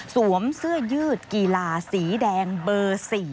สวมเสื้อยืดกีฬาสีแดงเบอร์๔